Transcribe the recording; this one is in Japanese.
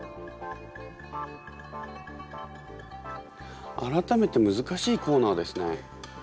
改めて難しいコーナーですね。